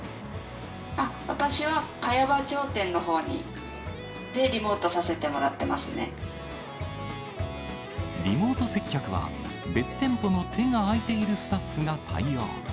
私は茅場町店のほうでリモーリモート接客は、別店舗の手が空いているスタッフが対応。